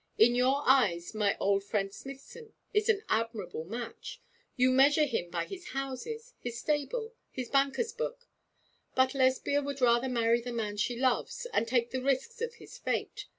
In your eyes my old friend Smithson is an admirable match. You measure him by his houses, his stable, his banker's book; but Lesbia would rather marry the man she loves, and take the risks of his fate.